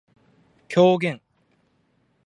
狂言